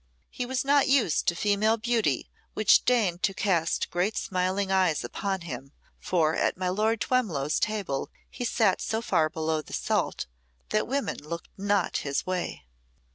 He was not used to female beauty which deigned to cast great smiling eyes upon him, for at my Lord Twemlow's table he sat so far below the salt that women looked not his way.